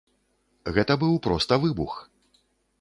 Гэта быў проста выбух!